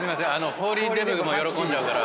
フォーリンデブも喜んじゃうから。